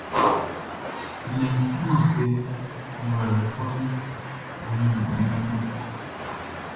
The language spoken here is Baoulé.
Nnɛnʼn siman kɛ ngwlɛlɛfuɛʼn wun ɲrɛnnɛn.